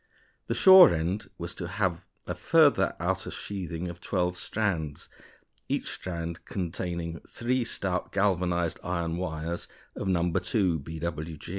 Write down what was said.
The shore end was to have a further outer sheathing of twelve strands, each strand containing three stout galvanized iron wires of No. 2 B.W.G.